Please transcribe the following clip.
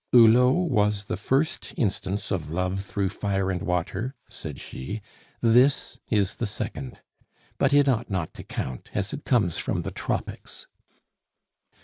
"Hulot was the first instance of love through fire and water," said she; "this is the second. But it ought not to count, as it comes from the Tropics."